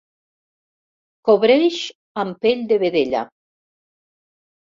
Cobreix amb pell de vedella.